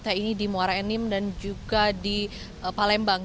seperti ini di muara enim dan juga di palembang